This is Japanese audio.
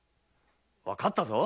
わかったぞ！